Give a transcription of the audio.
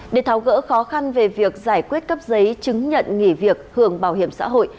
để tháo gỡ khó khăn về việc giải quyết cấp giấy chứng nhận nghỉ việc hưởng bảo hiểm xã hội